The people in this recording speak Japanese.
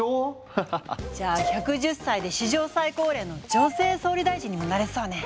じゃあ１１０歳で史上最高齢の女性総理大臣にもなれそうね！